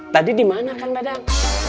tadi di mana kang dadang